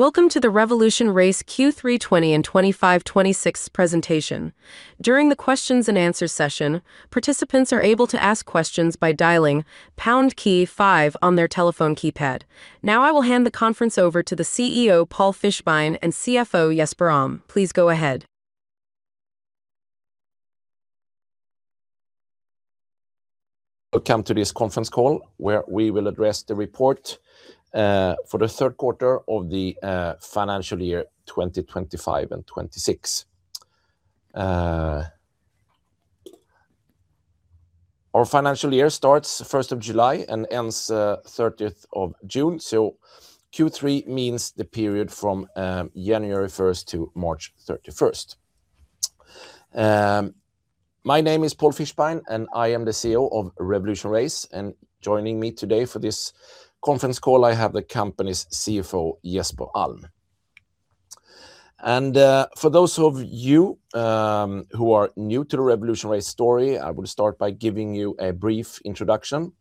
Welcome to the RevolutionRace Q3 2020 and 2025-2026 Presentation. During the questions and answers session, participants are able to ask questions by dialing pound key five on their telephone keypad. Now, I will hand the conference over to the CEO, Paul Fischbein, and CFO, Jesper Alm. Please go ahead. Welcome to this conference call, where we will address the Report for the Third Quarter of the Financial Year 2025 and 2026. Our financial year starts 1st of July and ends 30th of June. Q3 means the period from January 1st to March 31st. My name is Paul Fischbein, and I am the CEO of RevolutionRace. Joining me today for this conference call, I have the company's CFO, Jesper Alm. For those of you who are new to the RevolutionRace story, I will start by giving you a brief introduction.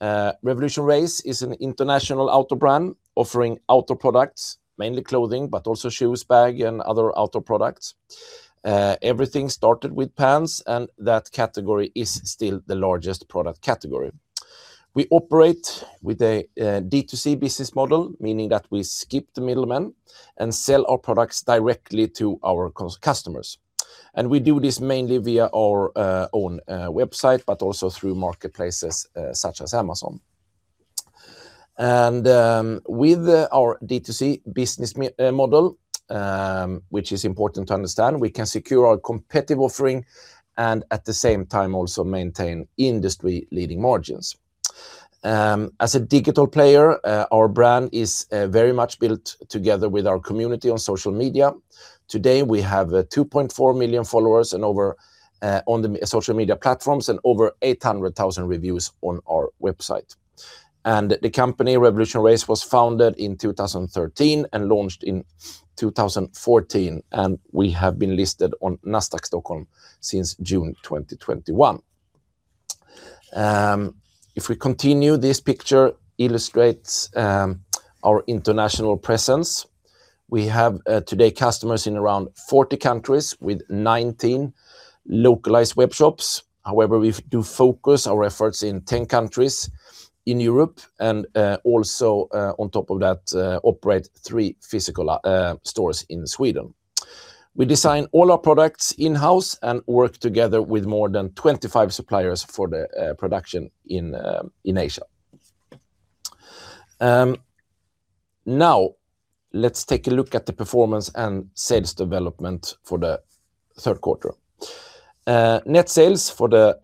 RevolutionRace is an international outdoor brand offering outdoor products, mainly clothing, but also shoes, bag, and other outdoor products. Everything started with pants, and that category is still the largest product category. We operate with a D2C business model, meaning that we skip the middleman and sell our products directly to our customers. We do this mainly via our own website, but also through marketplaces such as Amazon. With our D2C business model, which is important to understand, we can secure our competitive offering and at the same time also maintain industry-leading margins. As a digital player, our brand is very much built together with our community on social media. Today, we have 2.4 million followers on the social media platforms and over 800,000 reviews on our website. The company, RevolutionRace, was founded in 2013 and launched in 2014, and we have been listed on Nasdaq Stockholm since June 2021. If we continue, this picture illustrates our international presence. We have today customers in around 40 countries with 19 localized web shops. However, we do focus our efforts in 10 countries in Europe and also, on top of that, operate three physical stores in Sweden. We design all our products in-house and work together with more than 25 suppliers for the production in Asia. Now let's take a look at the performance and sales development for the third quarter. Net sales for the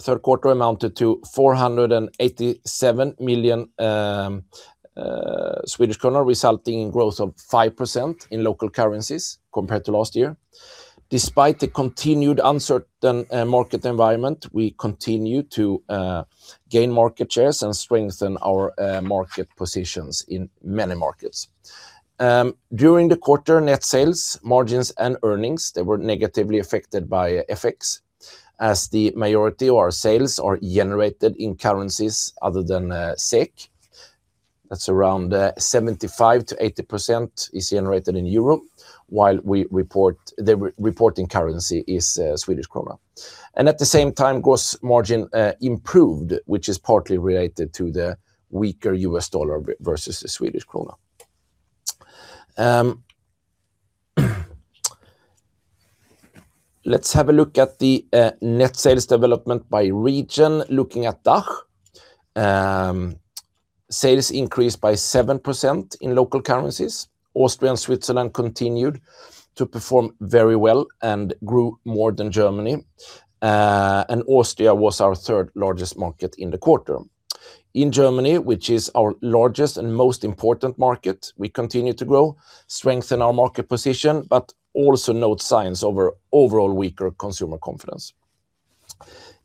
third quarter amounted to 487 million Swedish kronor, resulting in growth of 5% in local currencies compared to last year. Despite the continued uncertain market environment, we continue to gain market shares and strengthen our market positions in many markets. During the quarter, net sales, margins, and earnings were negatively affected by FX as the majority of our sales are generated in currencies other than SEK. That's around 75%-80% generated in euro, while the reporting currency is Swedish krona. At the same time, gross margin improved, which is partly related to the weaker US dollar versus the Swedish krona. Let's have a look at the net sales development by region. Looking at DACH, sales increased by 7% in local currencies. Austria and Switzerland continued to perform very well and grew more than Germany. Austria was our third-largest market in the quarter. In Germany, which is our largest and most important market, we continue to grow, strengthen our market position, but also note signs of overall weaker consumer confidence.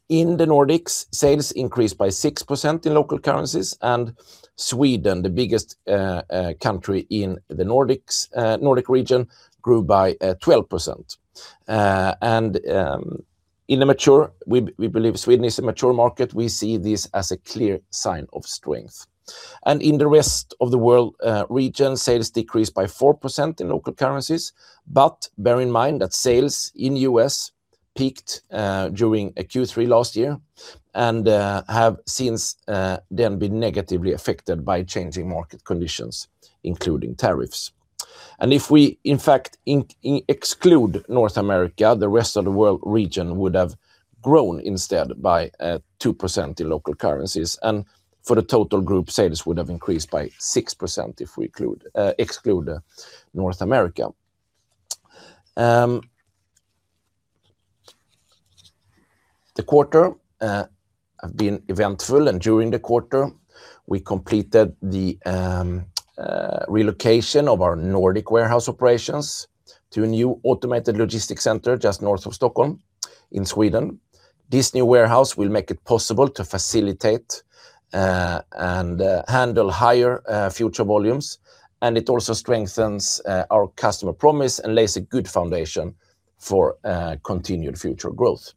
In the Nordics, sales increased by 6% in local currencies, and Sweden, the biggest country in the Nordics, Nordic region, grew by 12%. We believe Sweden is a mature market. We see this as a clear sign of strength. In the rest of the world region, sales decreased by 4% in local currencies. Bear in mind that sales in U.S. peaked during a Q3 last year and have since then been negatively affected by changing market conditions, including tariffs. If we, in fact, exclude North America, the rest of the world region would have grown instead by 2% in local currencies. For the total group, sales would have increased by 6% if we exclude North America. The quarter have been eventful, and during the quarter, we completed the relocation of our Nordic warehouse operations to a new automated logistics center just north of Stockholm in Sweden. This new warehouse will make it possible to facilitate and handle higher future volumes, and it also strengthens our customer promise and lays a good foundation for continued future growth.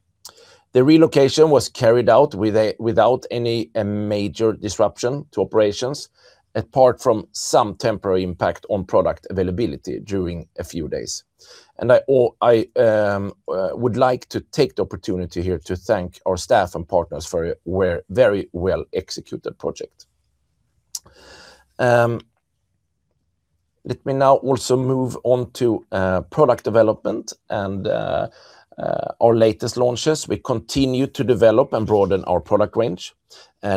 The relocation was carried out without any major disruption to operations apart from some temporary impact on product availability during a few days. I would like to take the opportunity here to thank our staff and partners for a very well-executed project. Let me now also move on to product development and our latest launches. We continue to develop and broaden our product range,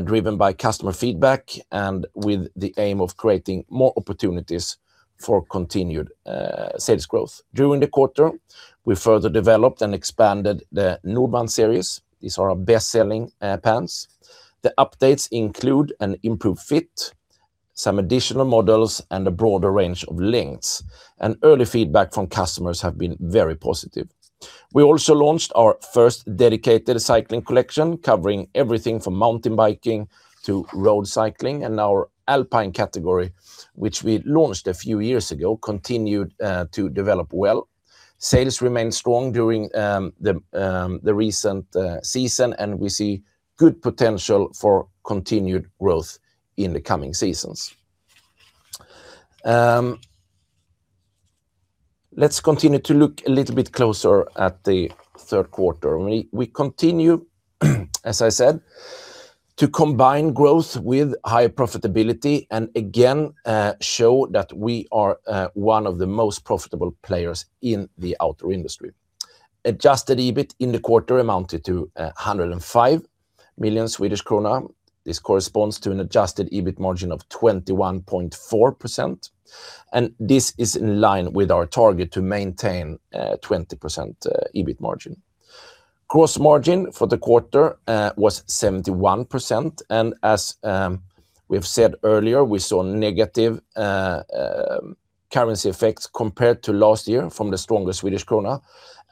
driven by customer feedback and with the aim of creating more opportunities for continued sales growth. During the quarter, we further developed and expanded the Nordwand series. These are our best-selling pants. The updates include an improved fit, some additional models, and a broader range of lengths. Early feedback from customers have been very positive. We also launched our first dedicated cycling collection, covering everything from mountain biking to road cycling. Our Alpine category, which we launched a few years ago, continued to develop well. Sales remained strong during the recent season, and we see good potential for continued growth in the coming seasons. Let's continue to look a little bit closer at the third quarter. We continue, as I said, to combine growth with high profitability and again, show that we are, one of the most profitable players in the outdoor industry. Adjusted EBIT in the quarter amounted to 105 million Swedish krona. This corresponds to an adjusted EBIT margin of 21.4%, and this is in line with our target to maintain 20% EBIT margin. Gross margin for the quarter was 71%, and as we've said earlier, we saw negative currency effects compared to last year from the stronger Swedish krona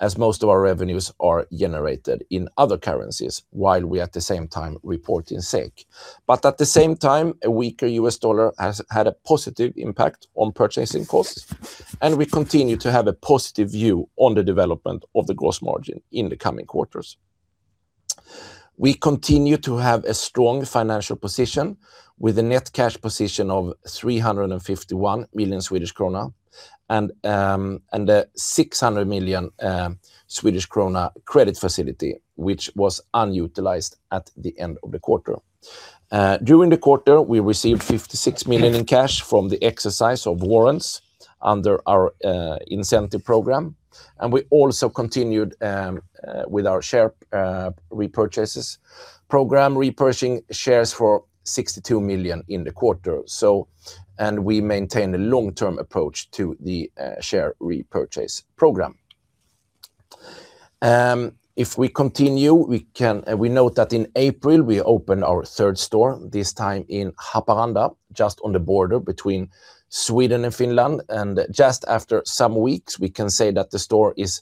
as most of our revenues are generated in other currencies while we at the same time report in SEK. At the same time, a weaker US dollar has had a positive impact on purchasing costs, and we continue to have a positive view on the development of the gross margin in the coming quarters. We continue to have a strong financial position with a net cash position of 351 million Swedish krona and a 600 million Swedish krona credit facility which was unutilized at the end of the quarter. During the quarter, we received 56 million in cash from the exercise of warrants under our incentive program. We also continued with our share repurchases program, repurchasing shares for 62 million in the quarter. We maintain a long-term approach to the share repurchase program. If we continue, we note that in April, we opened our third store, this time in Haparanda, just on the border between Sweden and Finland. Just after some weeks, we can say that the store is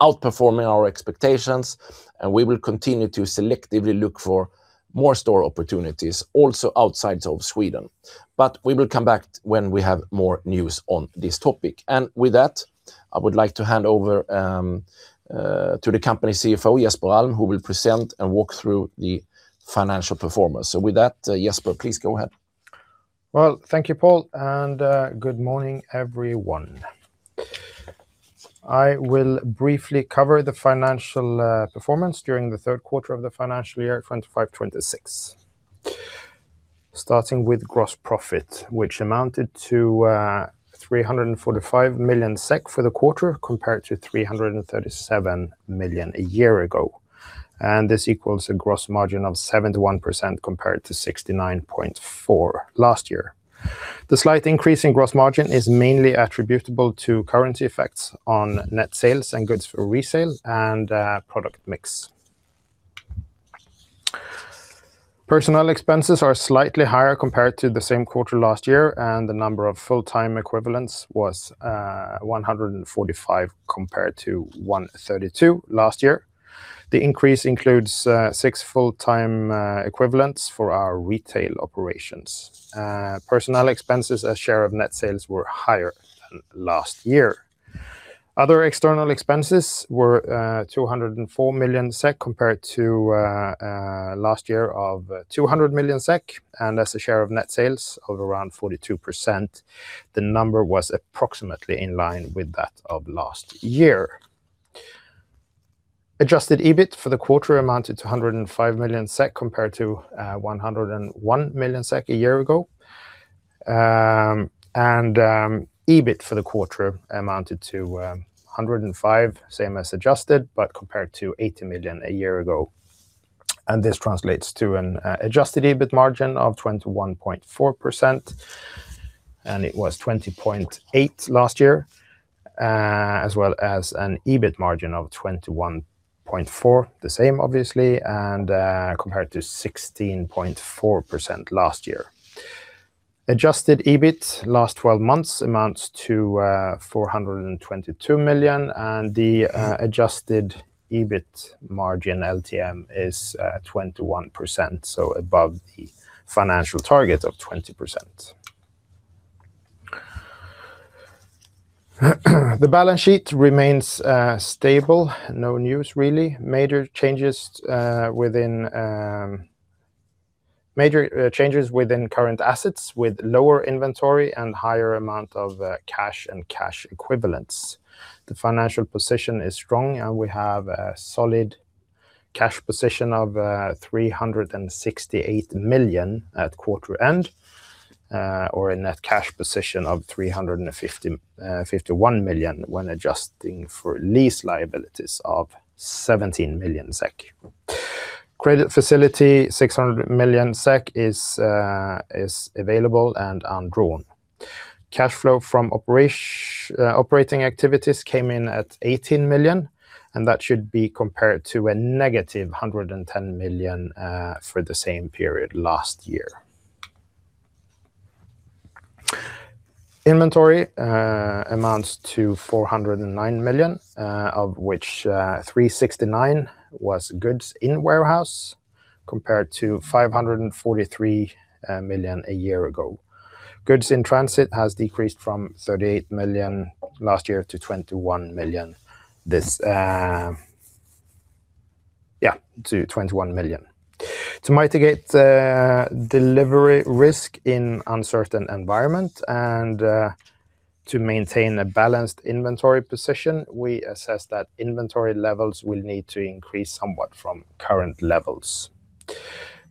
outperforming our expectations, and we will continue to selectively look for more store opportunities also outside of Sweden. We will come back when we have more news on this topic. With that, I would like to hand over to the company CFO, Jesper Alm, who will present and walk through the financial performance. With that, Jesper, please go ahead. Well, thank you, Paul, and good morning, everyone. I will briefly cover the financial performance during the third quarter of the financial year 2025-2026. Starting with gross profit, which amounted to 345 million SEK for the quarter, compared to 337 million a year ago. This equals a gross margin of 71% compared to 69.4% last year. The slight increase in gross margin is mainly attributable to currency effects on net sales and goods for resale and product mix. Personnel expenses are slightly higher compared to the same quarter last year, and the number of full-time equivalents was 145 compared to 132 last year. The increase includes six full-time equivalents for our retail operations. Personnel expenses as share of net sales were higher than last year. Other external expenses were 204 million SEK compared to last year of 200 million SEK, and as a share of net sales of around 42%. The number was approximately in line with that of last year. Adjusted EBIT for the quarter amounted to 105 million SEK compared to SEK 101 million a year ago. EBIT for the quarter amounted to 105 million, same as adjusted, but compared to 80 million a year ago. This translates to an adjusted EBIT margin of 21.4%, and it was 20.8% last year, as well as an EBIT margin of 21.4%, the same obviously, and compared to 16.4% last year. Adjusted EBIT last twelve months amounts to 422 million, and the adjusted EBIT margin LTM is 21%, so above the financial target of 20%. The balance sheet remains stable. No news really. Major changes within current assets with lower inventory and higher amount of cash and cash equivalents. The financial position is strong, and we have a solid cash position of 368 million at quarter end. Or a net cash position of 351 million when adjusting for lease liabilities of 17 million SEK. Credit facility 600 million SEK is available and undrawn. Cash flow from operating activities came in at 18 million, and that should be compared to -110 million for the same period last year. Inventory amounts to 409 million, of which 369 million was goods in warehouse, compared to 543 million a year ago. Goods in transit has decreased from 38 million last year to 21 million. To mitigate the delivery risk in uncertain environment and to maintain a balanced inventory position, we assess that inventory levels will need to increase somewhat from current levels.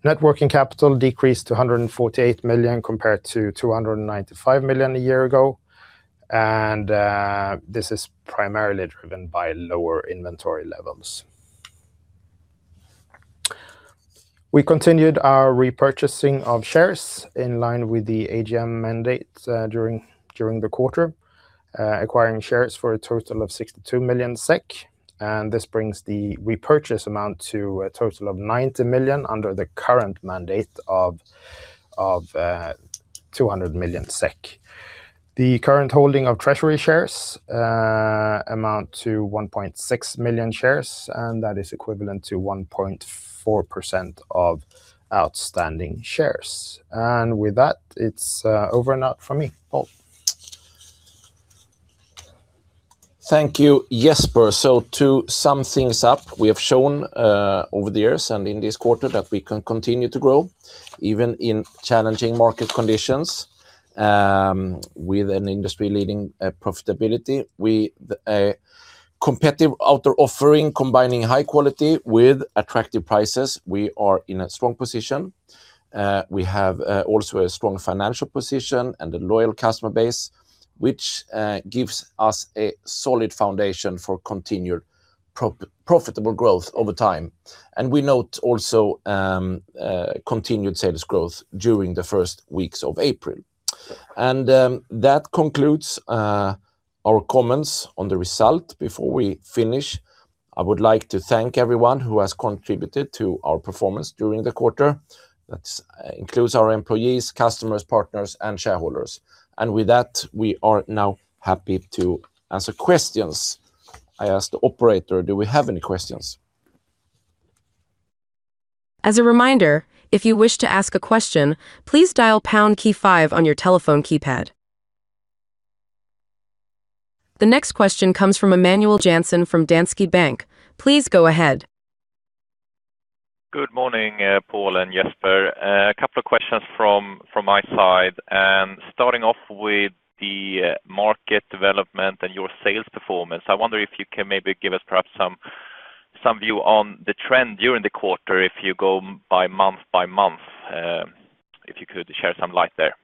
Net working capital decreased to 148 million compared to 295 million a year ago, and this is primarily driven by lower inventory levels. We continued our repurchasing of shares in line with the AGM mandate, during the quarter, acquiring shares for a total of 62 million SEK, and this brings the repurchase amount to a total of 90 million under the current mandate of 200 million SEK. The current holding of treasury shares amounts to 1.6 million shares, and that is equivalent to 1.4% of outstanding shares. With that, it's over and out from me. Paul. Thank you, Jesper. To sum things up, we have shown over the years and in this quarter that we can continue to grow even in challenging market conditions with an industry-leading profitability. We have a competitive outdoor offering combining high quality with attractive prices. We are in a strong position. We have also a strong financial position and a loyal customer base, which gives us a solid foundation for continued profitable growth over time. We note also continued sales growth during the first weeks of April. That concludes our comments on the result. Before we finish, I would like to thank everyone who has contributed to our performance during the quarter. That includes our employees, customers, partners, and shareholders. With that, we are now happy to answer questions. I ask the operator, do we have any questions? As a reminder, if you wish to ask a question, please dial pound key five on your telephone keypad. The next question comes from Emanuel Jansson from Danske Bank. Please go ahead. Good morning, Paul and Jesper. A couple of questions from my side, starting off with the market development and your sales performance. I wonder if you can maybe give us perhaps some view on the trend during the quarter if you go by month-by-month, if you could shed some light there.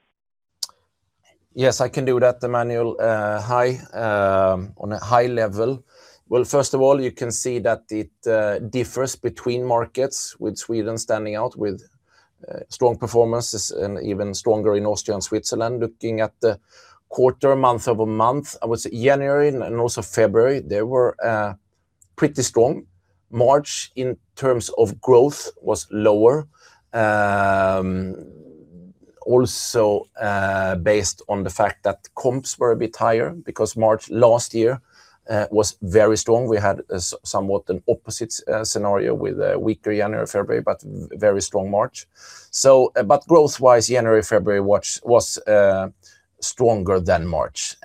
Yes, I can do that, Emanuel. On a high-level, well, first of all, you can see that it differs between markets, with Sweden standing out with strong performances and even stronger in Austria and Switzerland. Looking at the quarter, month-over-month, I would say January and also February, they were pretty strong. March, in terms of growth, was lower. Also, based on the fact that comps were a bit higher because March last year was very strong. We had a somewhat an opposite scenario with a weaker January, February, but very strong March. But growth-wise, January, February was stronger than March.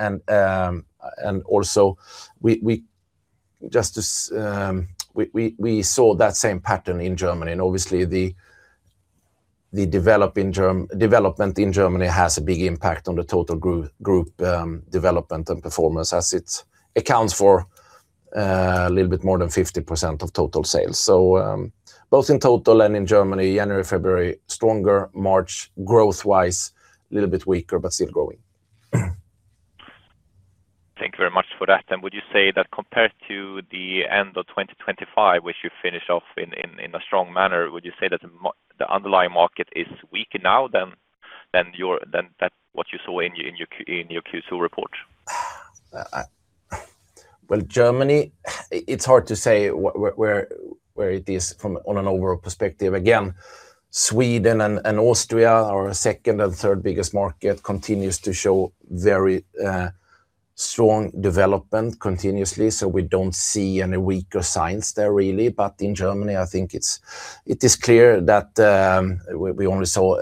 We saw that same pattern in Germany. Obviously the development in Germany has a big impact on the total group development and performance as it accounts for a little bit more than 50% of total sales. Both in total and in Germany, January, February, stronger. March, growth-wise, a little bit weaker, but still growing. Thank you very much for that. Would you say that compared to the end of 2025, which you finished off in a strong manner, would you say that the underlying market is weaker now than what you saw in your Q2 report? Well, Germany, it's hard to say where it is from on an overall perspective. Again, Sweden and Austria, our second and third biggest market, continues to show very strong development continuously, so we don't see any weaker signs there really. In Germany, I think it is clear that we only saw,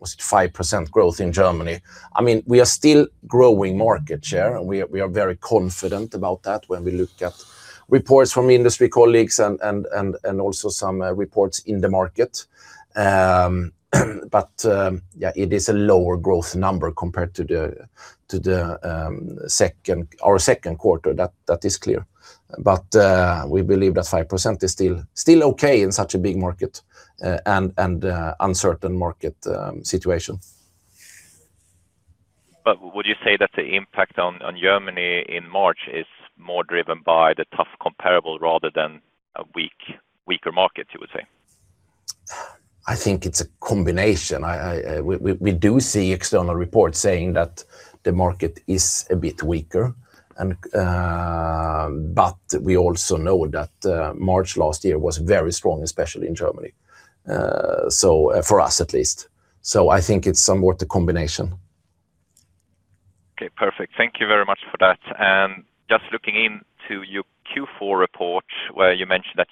was it 5% growth in Germany? I mean, we are still growing market share, and we are very confident about that when we look at reports from industry colleagues and also some reports in the market. Yeah, it is a lower growth number compared to the second, our second quarter, that is clear. We believe that 5% is still okay in such a big market and uncertain market situation. Would you say that the impact on Germany in March is more driven by the tough comparable rather than a weak, weaker market, you would say? I think it's a combination. We do see external reports saying that the market is a bit weaker, but we also know that March last year was very strong, especially in Germany. For us at least, I think it's somewhat a combination. Okay, perfect. Thank you very much for that. Just looking into your Q4 report where you mentioned that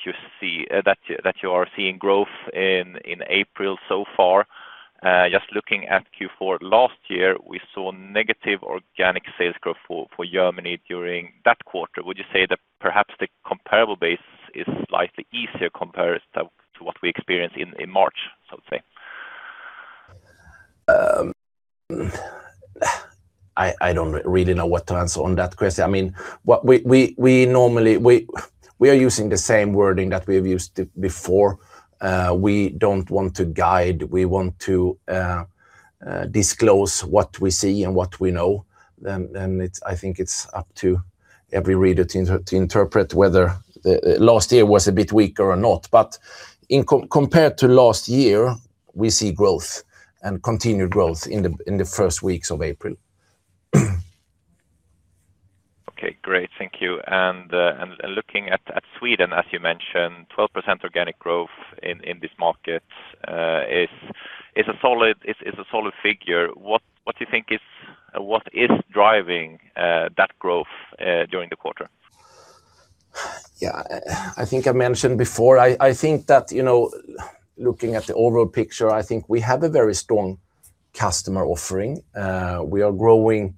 you are seeing growth in April so far. Just looking at Q4 last year, we saw negative organic sales growth for Germany during that quarter. Would you say that perhaps the comparable base is slightly easier compared to what we experienced in March, sort of thing? I don't really know what to answer on that question. I mean, we are using the same wording that we have used before. We don't want to guide, we want to disclose what we see and what we know. I think it's up to every reader to interpret whether last year was a bit weaker or not. Compared to last year, we see growth and continued growth in the first weeks of April. Okay, great. Thank you. Looking at Sweden, as you mentioned, 12% organic growth in this market is a solid figure. What is driving that growth during the quarter? Yeah. I think I mentioned before. I think that, you know, looking at the overall picture, I think we have a very strong customer offering. We are growing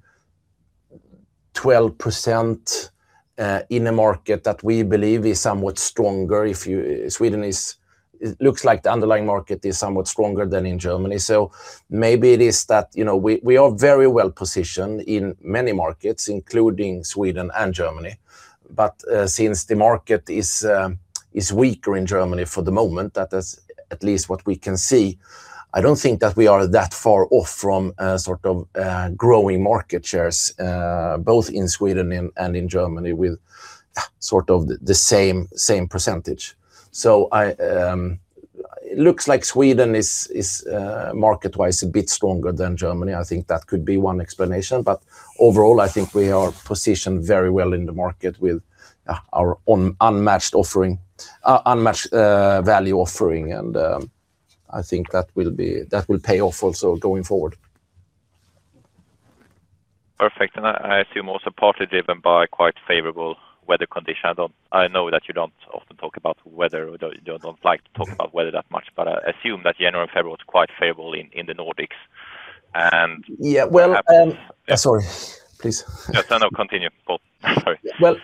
12% in a market that we believe is somewhat stronger. It looks like the underlying market is somewhat stronger than in Germany. Maybe it is that, you know, we are very well positioned in many markets, including Sweden and Germany. Since the market is weaker in Germany for the moment, that is at least what we can see. I don't think that we are that far off from sort of growing market shares both in Sweden and in Germany with sort of the same percentage. It looks like Sweden is market-wise a bit stronger than Germany. I think that could be one explanation. Overall, I think we are positioned very well in the market with our unmatched value offering. I think that will pay off also going forward. Perfect. I assume also partly driven by quite favorable weather conditions. I know that you don't often talk about weather or you don't like to talk about weather that much, but I assume that January and February was quite favorable in the Nordics. Yeah. Well, What happened. Sorry. Please. No, no. Continue. Go. Sorry. Well,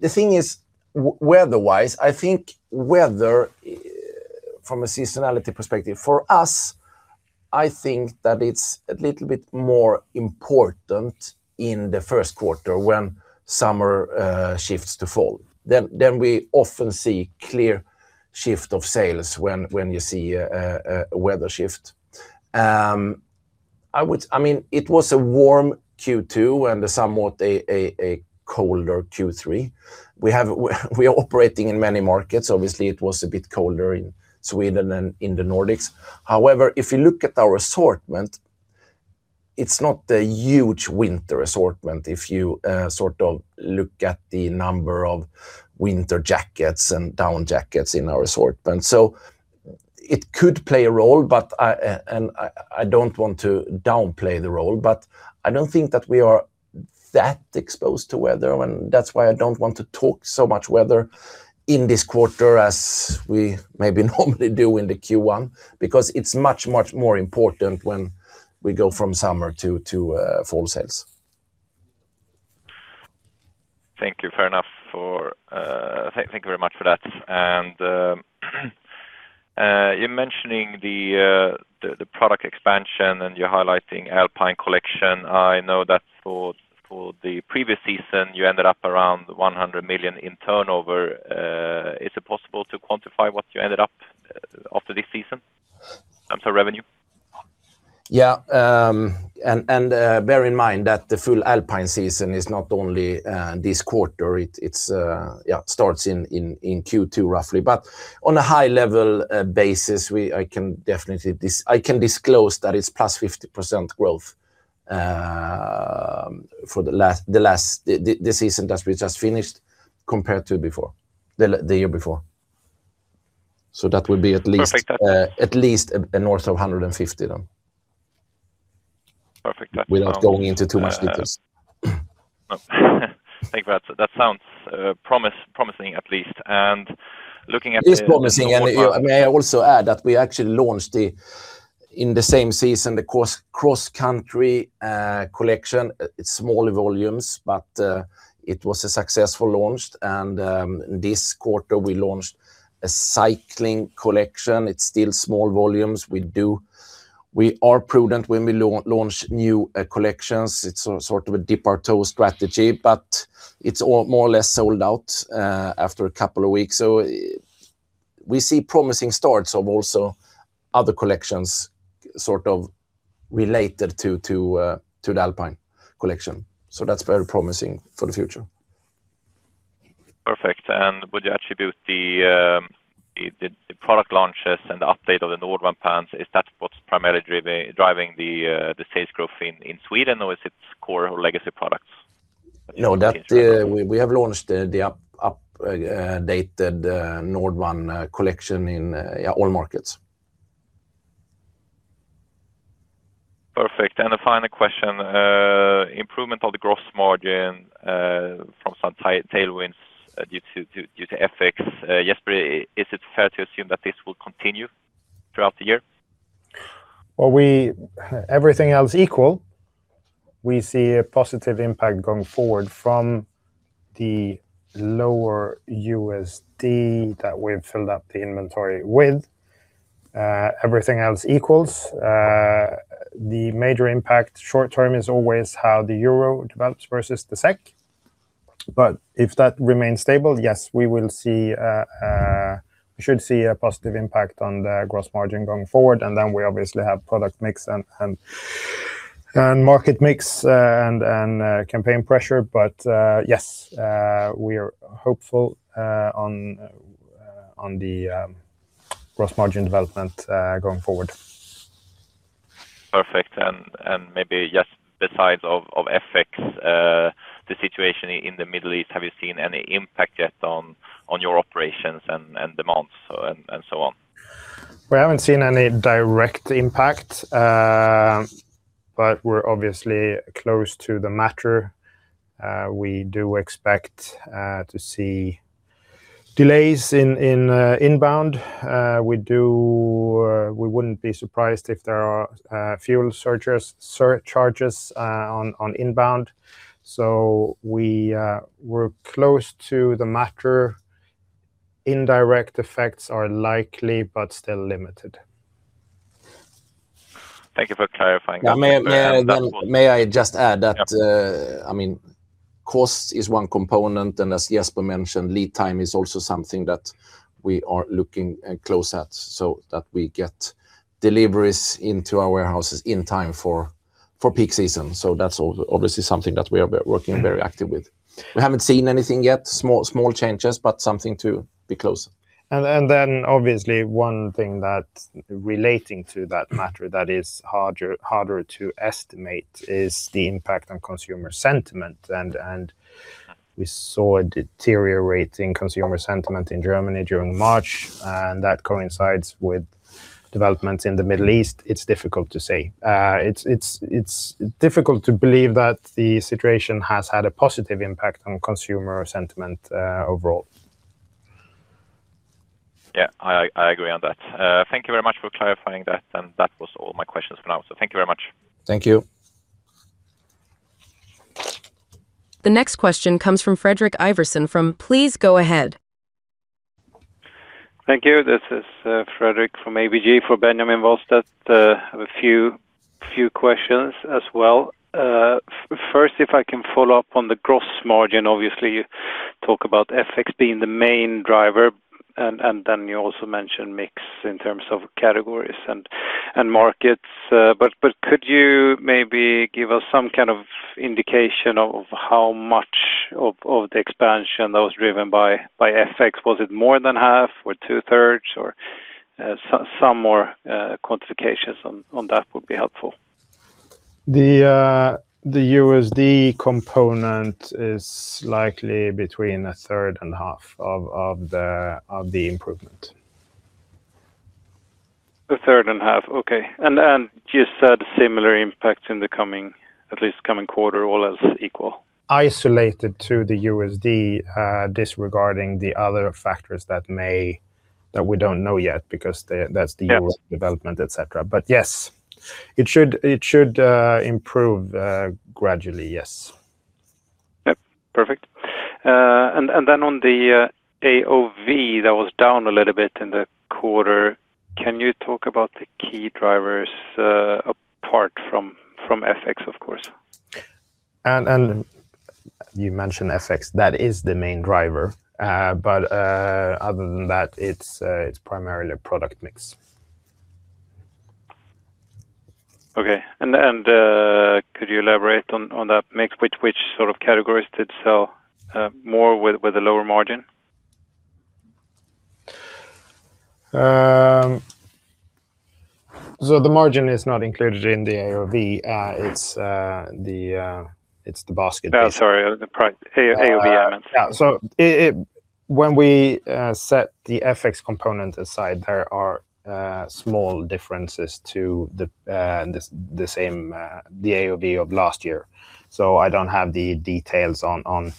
the thing is weather-wise, I think weather from a seasonality perspective, for us, I think that it's a little bit more important in the first quarter when summer shifts to fall. Then we often see clear shift of sales when you see a weather shift. I mean, it was a warm Q2 and somewhat a colder Q3. We are operating in many markets. Obviously, it was a bit colder in Sweden than in the Nordics. However, if you look at our assortment, it's not a huge winter assortment if you sort of look at the number of winter jackets and down jackets in our assortment. So it could play a role, but I don't want to downplay the role, but I don't think that we are that exposed to weather. That's why I don't want to talk so much about weather in this quarter as we maybe normally do in the Q1, because it's much, much more important when we go from summer to fall sales. Thank you very much for that. You're mentioning the product expansion, and you're highlighting Alpine collection. I know that for the previous season, you ended up around 100 million in turnover. Is it possible to quantify what you ended up after this season? I'm sorry, revenue. Yeah. Bear in mind that the full Alpine season is not only this quarter. It starts in Q2, roughly. On a high level basis, I can definitely disclose that it's +50% growth for the last season that we just finished compared to the year before. That would be at least. Perfect. At least a north of 150 then. Perfect. Without going into too much details. Thank you for that. That sounds promising at least. Looking at the. It's promising. May I also add that we actually launched in the same season the cross-country collection. It's small volumes, but it was a successful launch. This quarter we launched a cycling collection. It's still small volumes. We are prudent when we launch new collections. It's sort of a dip our toe strategy, but it's all more or less sold out after a couple of weeks. We see promising starts of also other collections sort of related to the Alpine collection. That's very promising for the future. Perfect. Would you attribute the product launches and the update of the Nordwand pants, is that what's primarily driving the sales growth in Sweden or is its core or legacy products? No, that. We have launched the updated Nordwand collection in, yeah, all markets. Perfect. A final question. Improvement of the gross margin from some tailwinds due to FX. Jesper, is it fair to assume that this will continue throughout the year? Well, everything else equal, we see a positive impact going forward from the lower USD that we've filled up the inventory with. Everything else equal, the major impact short-term is always how the euro develops versus the SEK. If that remains stable, yes, we will see. We should see a positive impact on the gross margin going forward. Then we obviously have product mix and market mix, and campaign pressure. Yes, we are hopeful on the gross margin development going forward. Perfect. Maybe just besides FX, the situation in the Middle East, have you seen any impact yet on your operations and demands and so on? We haven't seen any direct impact, but we're obviously close to the matter. We do expect to see delays in inbound. We wouldn't be surprised if there are fuel surcharges on inbound. We're close to the matter. Indirect effects are likely but still limited. Thank you for clarifying that. May I just add that. Yep. I mean, cost is one component, and as Jesper mentioned, lead time is also something that we are looking close at, so that we get deliveries into our warehouses in time for peak season. That's obviously something that we are working very active with. We haven't seen anything yet. Small changes, but something to be close. Obviously, one thing that relating to that matter that is harder to estimate is the impact on consumer sentiment. We saw a deteriorating consumer sentiment in Germany during March, and that coincides with developments in the Middle East. It's difficult to say. It's difficult to believe that the situation has had a positive impact on consumer sentiment overall. Yeah, I agree on that. Thank you very much for clarifying that. That was all my questions for now. Thank you very much. Thank you. The next question comes from Fredrik Ivarsson. Please go ahead. Thank you. This is Fredrik from ABG. For Benjamin Wahlstedt, I have a few questions as well. First, if I can follow-up on the gross margin, obviously, you talk about FX being the main driver, and then you also mentioned mix in terms of categories and markets. But could you maybe give us some kind of indication of how much of the expansion that was driven by FX? Was it more than half or two-thirds or some more quantifications on that would be helpful. The USD component is likely between a third and half of the improvement. A third and half. Okay. You said similar impact in the coming, at least coming quarter, all else equal. Isolated to the USD, disregarding the other factors that we don't know yet because the Yes. That's the usual development, etc. Yes, it should improve gradually. Yes. Yep. Perfect. On the AOV, that was down a little bit in the quarter. Can you talk about the key drivers apart from FX, of course? You mentioned FX, that is the main driver. Other than that, it's primarily product mix. Okay. Could you elaborate on that mix? Which sort of categories did sell more with a lower margin? The margin is not included in the AOV. It's the basket basically. No, sorry, AOV, I meant. Yeah. When we set the FX component aside, there are small differences to the same AOV of last year. I don't have the details on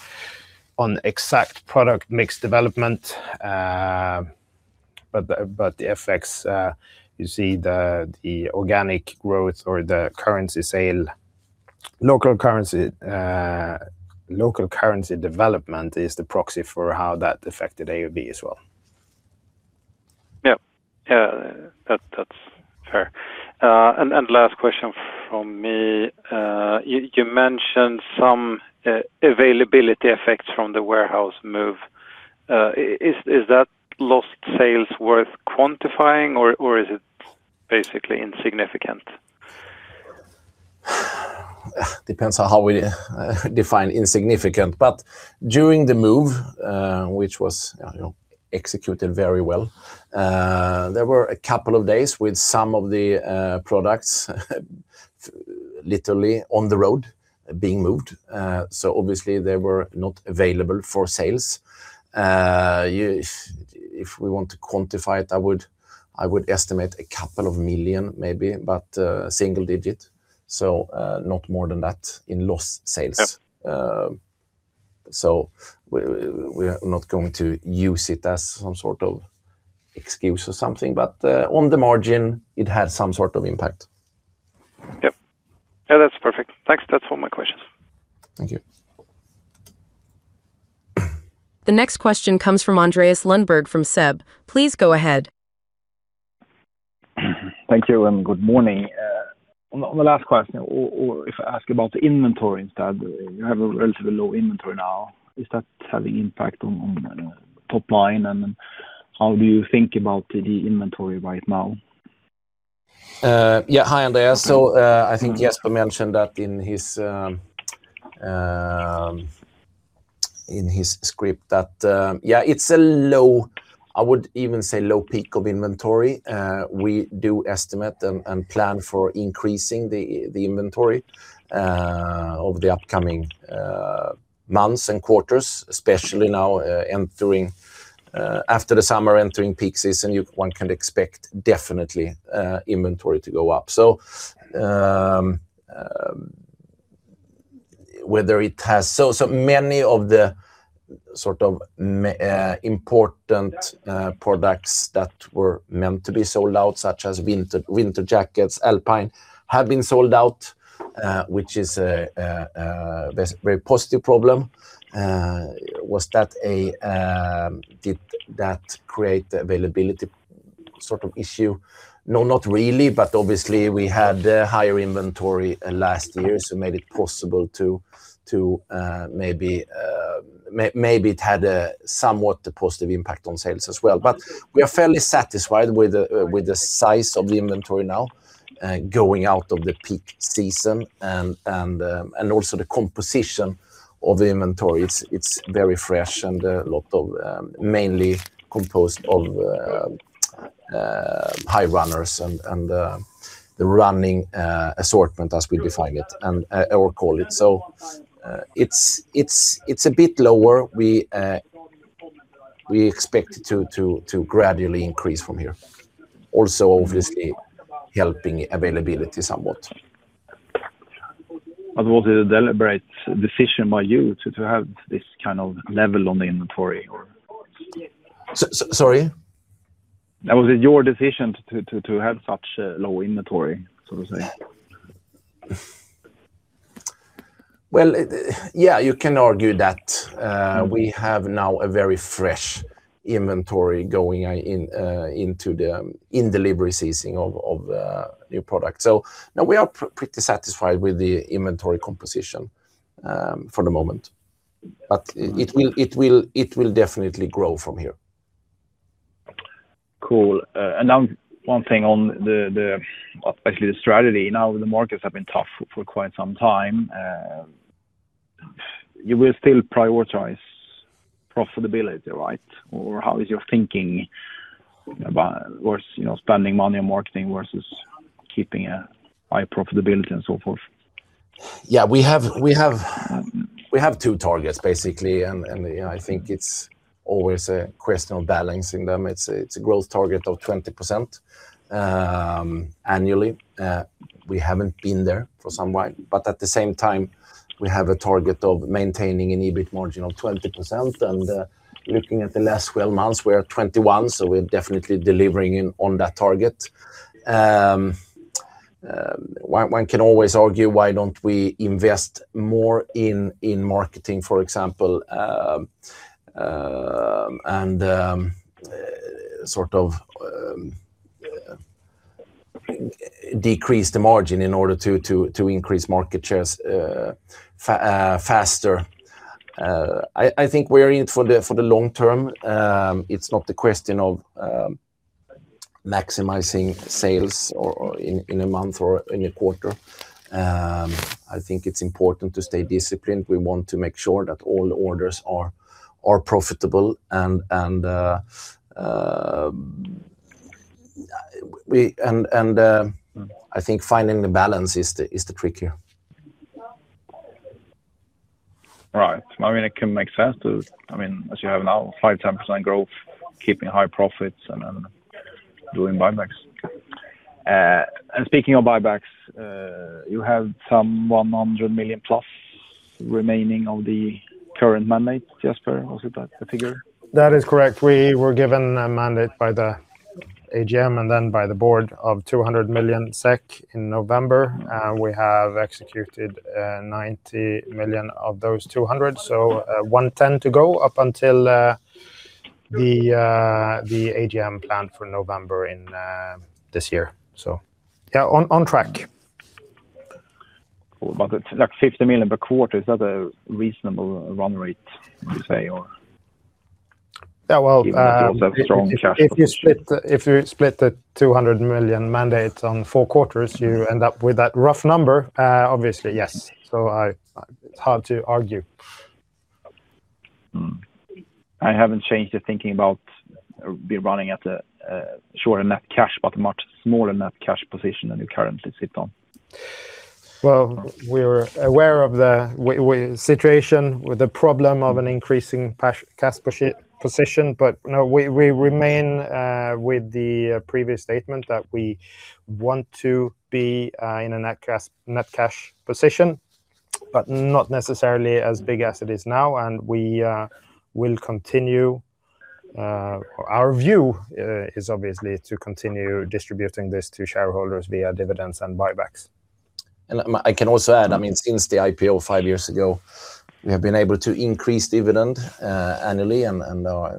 exact product mix development, but the FX, you see the organic growth or the currency sale, local currency development is the proxy for how that affected AOV as well. Yeah. Yeah, that's fair. Last question from me, you mentioned some availability effects from the warehouse move. Is that lost sales worth quantifying or is it basically insignificant? Depends on how we define insignificant. During the move, which was, you know, executed very well, there were a couple of days with some of the products literally on the road being moved. Obviously they were not available for sales. If we want to quantify it, I would estimate a couple of million, maybe, but single-digit, so not more than that in lost sales. Yep. We are not going to use it as some sort of excuse or something, but on the margin it had some sort of impact. Yep. Yeah, that's perfect. Thanks. That's all my questions. Thank you. The next question comes from Andreas Lundberg from SEB. Please go ahead. Thank you and good morning. On the last question, or if I ask about the inventory instead, you have a relatively low inventory now. Is that having impact on top-line? How do you think about the inventory right now? Yeah. Hi, Andreas. I think Jesper mentioned that in his script that, yeah, it's a low. I would even say low-peak of inventory. We do estimate and plan for increasing the inventory over the upcoming months and quarters, especially now, entering after the summer entering peak season. One can expect definitely inventory to go up. Whether it has so many of the sort of important products that were meant to be sold out, such as winter jackets, Alpine have been sold out, which is a very positive problem. Was that, did that create availability sort of issue? No, not really, but obviously we had higher inventory last year, so made it possible, maybe it had a somewhat positive impact on sales as well. We are fairly satisfied with the size of the inventory now, going out of the peak season and also the composition of the inventory. It's very fresh and mainly composed of high runners and the running assortment as we define it or call it. It's a bit lower. We expect to gradually increase from here, also obviously helping availability somewhat. Was it a deliberate decision by you to have this kind of level on the inventory or? Sorry? Was it your decision to have such a low inventory, so to say? Well, yeah, you can argue that. We have now a very fresh inventory going into the in-delivery season of new product. No, we are pretty satisfied with the inventory composition for the moment. It will definitely grow from here. Cool. Now one thing on the especially the strategy. Now the markets have been tough for quite some time. You will still prioritize profitability, right? How is your thinking about versus, you know, spending money on marketing versus keeping a high profitability and so forth? Yeah. We have two targets basically, you know, I think it's always a question of balancing them. It's a growth target of 20% annually. We haven't been there for some while. At the same time, we have a target of maintaining an EBIT margin of 20%. Looking at the last twelve months, we are 21%, so we are definitely delivering on that target. One can always argue why don't we invest more in marketing, for example, and sort of decrease the margin in order to increase market shares faster. I think we are in it for the long-term. It's not a question of maximizing sales or in a month or in a quarter. I think it's important to stay disciplined. We want to make sure that all orders are profitable and I think finding the balance is the trick here. Right. I mean, it can make sense. I mean, as you have now 5%-10% growth, keeping high profits and doing buybacks. Speaking of buybacks, you have some 100 million+ remaining of the current mandate, Jesper. Was it that the figure? That is correct. We were given a mandate by the AGM and then by the board of 200 million SEK in November. We have executed 90 million of those 200 million, so 110 million to go up until the AGM plan for November in this year. Yeah, on track. About like 50 million per quarter. Is that a reasonable run-rate, you say, or? Yeah, well. Given that there was a strong cash position. If you split the 200 million mandate on four quarters, you end up with that rough number. Obviously, yes. It's hard to argue. I haven't changed your thinking about running at a shorter net cash, but much smaller net cash position than you currently sit on. Well, we're aware of the situation with the problem of an increasing cash position. No, we remain with the previous statement that we want to be in a net cash position, but not necessarily as big as it is now. We will continue. Our view is obviously to continue distributing this to shareholders via dividends and buybacks. I can also add, I mean, since the IPO five years ago, we have been able to increase dividend annually, and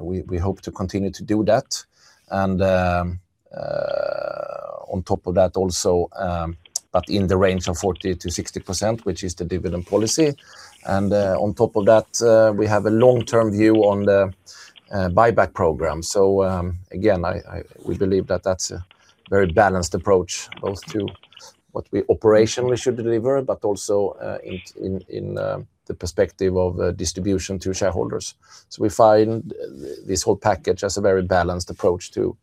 we hope to continue to do that. On top of that also, but in the range of 40%-60%, which is the dividend policy. On top of that, we have a long-term view on the buyback program. Again, we believe that that's a very balanced approach, both to what we operationally should deliver, but also in the perspective of distribution to shareholders. We find this whole package as a very balanced approach to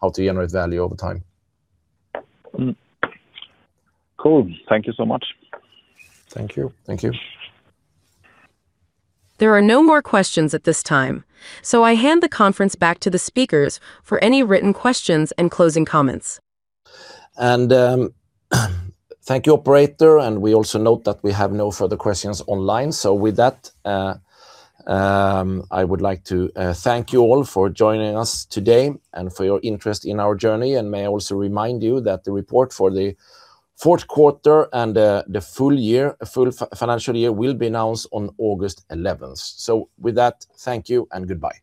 how to generate value over time. Cool. Thank you so much. Thank you. Thank you. There are no more questions at this time, so I hand the conference back to the speakers for any written questions and closing comments. Thank you, operator. We also note that we have no further questions online. With that, I would like to thank you all for joining us today and for your interest in our journey. May I also remind you that the report for the fourth quarter and the full-year, full financial year will be announced on August 11th. With that, thank you and goodbye.